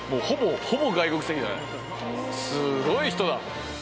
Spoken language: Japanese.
すごい人だ。